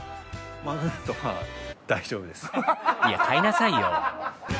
いや買いなさいよ。